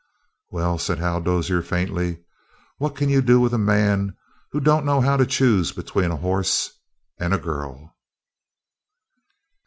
"Well," said Hal Dozier faintly, "what can you do with a man who don't know how to choose between a horse and a girl?"